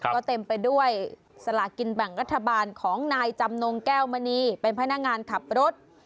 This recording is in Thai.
ก็เต็มไปด้วยสลากินแบ่งรัฐบาลของนายจำนงแก้วมณีเป็นพนักงานขับรถ